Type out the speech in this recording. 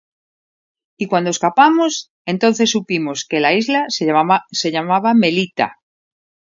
Y cuando escapamos, entonces supimos que la isla se llamaba Melita.